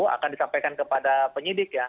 akan disampaikan kepada penyidik ya